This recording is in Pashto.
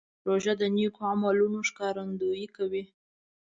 روژه د نیکو عملونو ښکارندویي کوي.